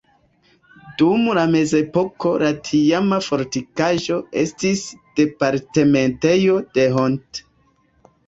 Dum la mezepoko la tiama fortikaĵo estis departementejo de Hont.